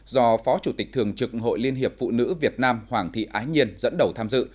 do phó chủ tịch thường trực hội liên hiệp phụ nữ việt nam hoàng thị ái nhiên dẫn đầu tham dự